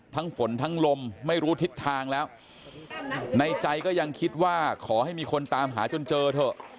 ฝนทั้งลมไม่รู้ทิศทางแล้วในใจก็ยังคิดว่าขอให้มีคนตามหาจนเจอเถอะ